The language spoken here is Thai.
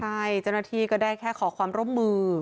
ใช่เจ้าหน้าที่ก็ได้แค่ขอความร่วมมือ